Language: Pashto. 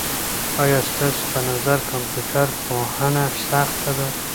آیا ستاسو په نظر کمپيوټر پوهنه سخته ده؟